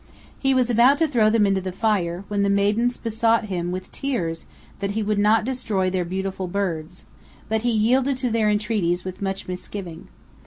He was about to throw them into the fire, when the maidens besought him, with tears, that he would not destroy their beautiful birds; but he yielded to their entreaties with much misgiving.